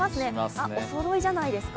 あっ、おそろいじゃないですか？